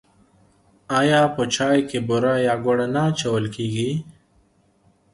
آیا په چای کې بوره یا ګوړه نه اچول کیږي؟